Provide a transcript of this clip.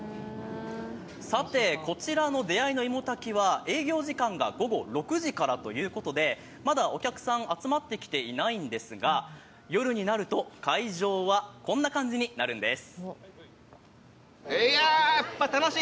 さて、こちらのいも炊きは営業時間が午後６時からということでまだお客さん、集まってきてないんですが夜になると会場はこんな感じになるんです。